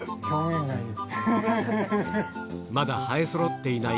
まだ生えそろっていない